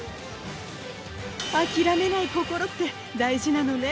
諦めない心って大事なのね。